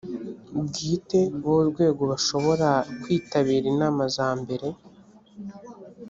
bwite b urwego bashobora kwitabira inama za mbere